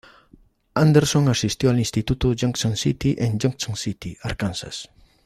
Anderson asistió al Instituto Junction City en Junction City, Arkansas.